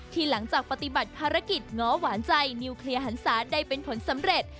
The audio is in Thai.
หลังจากปฏิบัติภารกิจง้อหวานใจนิวเคลียร์หันศาได้เป็นผลสำเร็จ